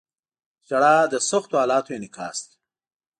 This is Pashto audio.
• ژړا د سختو حالاتو انعکاس دی.